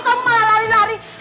kamu malah lari lari